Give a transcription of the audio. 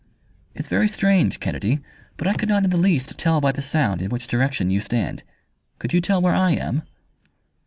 "It's very strange, Kennedy, but I could not in the least tell by the sound in which direction you stand. Could you tell where I am?"